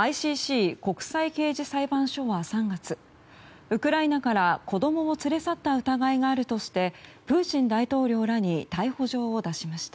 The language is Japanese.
ＩＣＣ・国際刑事裁判所は３月ウクライナから子供を連れ去った疑いがあるとしてプーチン大統領らに逮捕状を出しました。